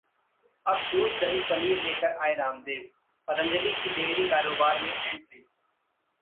अब दूध-दही-पनीर लेकर आए रामदेव, पतंजलि की डेयरी कारोबार में एंट्री